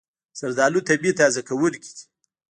زردالو طبیعي تازه کوونکی دی.